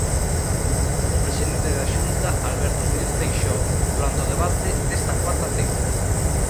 O presidente da Xunta, Alberto Núñez Feixóo, durante o debate desta cuarta feira.